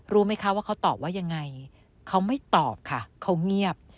รู้ไหมคะว่าเขาตอบว่ายังไงเขาไม่ตอบค่ะเขาเงียบ